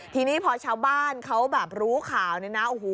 ทีนี้พอชาวบ้านเขารู้ข่าวนะ